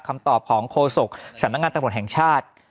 คำตอบของโฆษกสำนักงานตำรวจแห่งชาติ